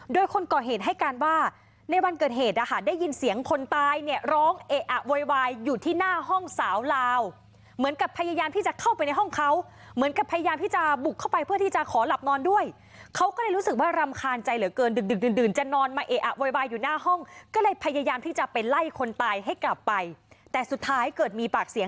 โดยคนก่อเหตุให้การว่าในวันเกิดเหตุนะคะได้ยินเสียงคนตายเนี่ยร้องเอะอะโวยวายอยู่ที่หน้าห้องสาวลาวเหมือนกับพยายามที่จะเข้าไปในห้องเขาเหมือนกับพยายามที่จะบุกเข้าไปเพื่อที่จะขอหลับนอนด้วยเขาก็เลยรู้สึกว่ารำคาญใจเหลือเกินดึกดึกดื่นจะนอนมาเอะอะโวยวายอยู่หน้าห้องก็เลยพยายามที่จะไปไล่คนตายให้กลับไปแต่สุดท้ายเกิดมีปากเสียง